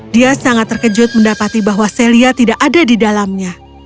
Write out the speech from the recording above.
dia sangat terkejut mendapati bahwa celia tidak ada di dalamnya